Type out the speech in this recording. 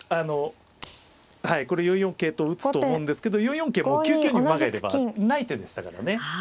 はいこれ４四桂と打つと思うんですけど４四桂も９九に馬がいればない手でしたからね。